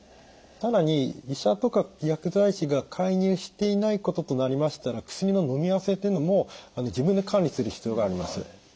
更に医者とか薬剤師が介入していないこととなりましたら薬ののみあわせというのも自分で管理する必要があります。